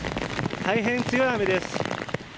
大変強い雨です。